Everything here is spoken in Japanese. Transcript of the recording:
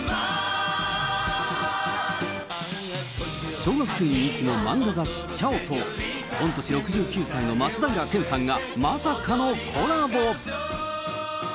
小学生に人気の漫画雑誌、ちゃおと、御年６９歳の松平健さんがまさかのコラボ。